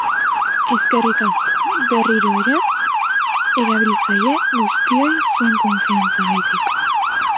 Eskerrik asko, berriro ere, erabiltzaile guztioi zuen konfiantzagatik.